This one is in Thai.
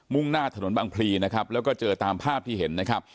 ่งหน้าถนนบางพลีนะครับแล้วก็เจอตามภาพที่เห็นนะครับ